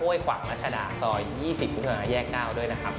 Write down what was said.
เว้ยควักรัชดาซอย๒๐ต่อจะมาแยก๙โต้มยำด้วยนะครับ